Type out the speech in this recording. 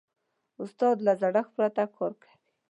استاد له زړښت پرته کار کوي.